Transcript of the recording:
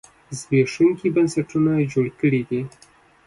زبېښونکي بنسټونه جوړ کړي دي.